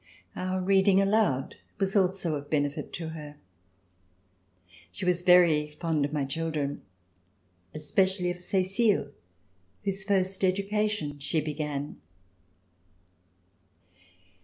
Our reading aloud was also of benefit to her. She was very fond of my children, especially of Cecile whose first education she began.